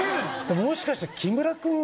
もしかしたら木村君が。